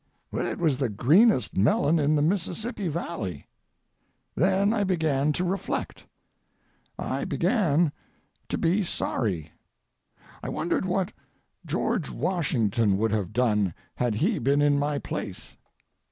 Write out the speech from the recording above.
It was the greenest melon in the Mississippi Valley. Then I began to reflect. I began to be sorry. I wondered what George Washington would have done had he been in my place.